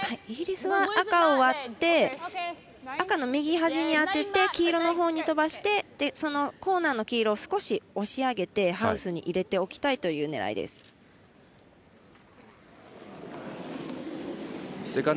イギリスは赤を割って赤の右端に当てて黄色のほうに飛ばしてコーナーの黄色を少し押し上げてハウスに入れておきたいという狙いです。